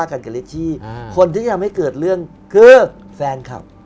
คนที่ยังไม่เกิดเรื่องคือแฟนคลับ